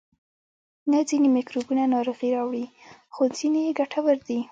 نه ځینې میکروبونه ناروغي راوړي خو ځینې یې ګټور دي